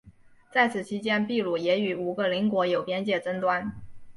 在此期间秘鲁也与五个邻国有边界争端。